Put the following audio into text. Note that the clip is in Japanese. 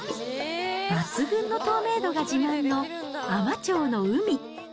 抜群の透明度が自慢の海士町の海。